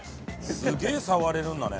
すげぇ触れるんだね。